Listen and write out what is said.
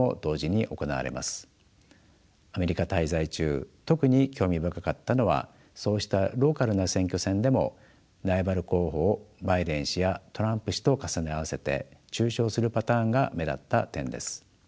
アメリカ滞在中特に興味深かったのはそうしたローカルな選挙戦でもライバル候補をバイデン氏やトランプ氏と重ね合わせて中傷するパターンが目立った点です。